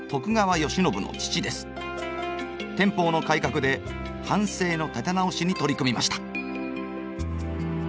天保の改革で藩政の立て直しに取り組みました。